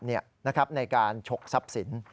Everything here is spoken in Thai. ในการฉกทรัพย์สิน